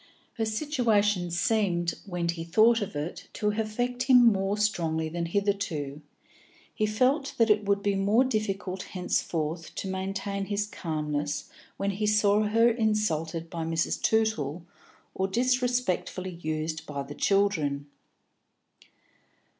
Her situation seemed, when he thought of it, to affect him more strongly than hitherto; he felt that it would be more difficult henceforth to maintain his calmness when he saw her insulted by Mrs. Tootle or disrespectfully used by the children.